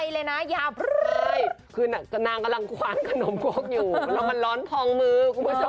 แล้วมันร้อนพองมือ